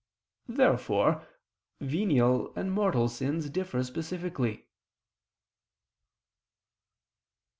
Therefore venial and mortal sins differ specifically. Obj.